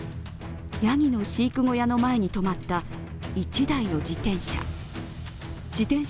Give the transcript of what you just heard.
やぎの飼育小屋の前に止まった１台の自転車。